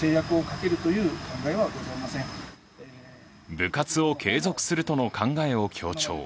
部活を継続するとの考えを強調。